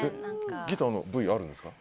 ギターのＶあるんですか？